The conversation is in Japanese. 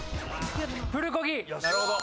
プルコギ。